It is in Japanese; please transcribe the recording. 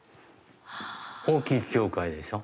大きい教会でしょう。